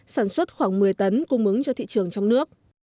sản xuất khoảng một mươi tấn cung ứng cho thị trường trong nước